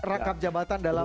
jadwal jabatan dalam